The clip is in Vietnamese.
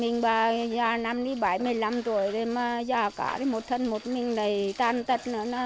năm nay bảy mươi năm tuổi rồi mà già cả một thân một mình này tan tật nữa